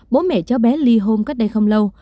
bố mẹ cháu bé ly hôn cách đây không lâu